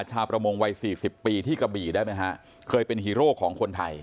ชาวประมงวัยสี่สิบปีที่กระบี่ได้ไหมฮะเคยเป็นฮีโร่ของคนไทย